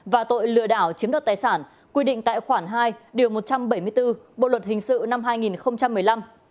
và tội lừa đảo chiếm đoạt tài sản quy định tại khoản hai điều một trăm bảy mươi bốn bộ luật hình sự năm hai nghìn một mươi năm